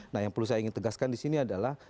nah yang perlu saya ingin tegaskan di sini adalah